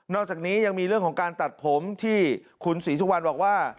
อกจากนี้ยังมีเรื่องของการตัดผมที่คุณศรีสุวรรณบอกว่า